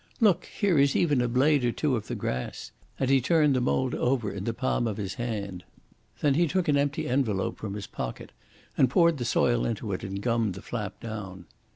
Look, here is even a blade or two of the grass"; and he turned the mould over in the palm of his hand. Then he took an empty envelope from his pocket and poured the soil into it and gummed the flap down.